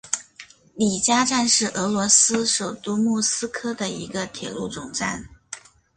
里加站是俄罗斯首都莫斯科的一个铁路总站。